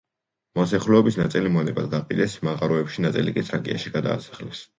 მოსახლეობის ნაწილი მონებად გაყიდეს მაღაროებში, ნაწილი კი თრაკიაში გადაასახლეს.